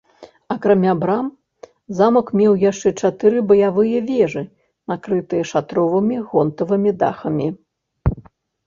Акрамя брам замак меў яшчэ чатыры баявыя вежы, накрытыя шатровымі гонтавымі дахамі.